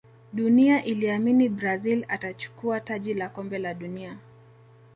dunia iliamini brazil atachukua taji la kombe la dunia